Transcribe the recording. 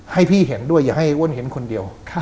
ให้พี่เห็นด้วยอย่าให้อ้วนเห็นคนเดียว